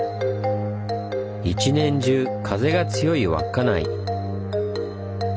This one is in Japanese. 一年中風が強い稚内。